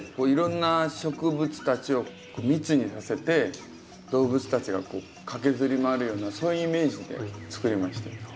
いろんな植物たちを密にさせて動物たちが駆けずり回るようなそういうイメージでつくりました。